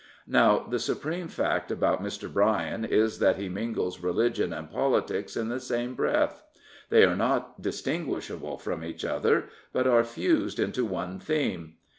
Now the supreme fact about Mr. Bryan is that he mingles religion and politics in the same breath. They are not distinguishable from each other, but are /^used into one theme.